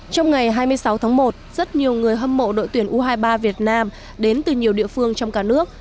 trong ngày hai mươi sáu tháng một rất nhiều người hâm mộ đội tuyển u hai mươi ba việt nam đến từ nhiều địa phương trong cả nước